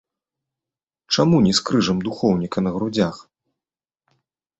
Чаму не з крыжам духоўніка на грудзях?